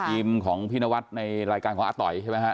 ทีมของพี่นวัดในรายการของอาต๋อยใช่ไหมฮะ